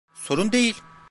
Sorun değil!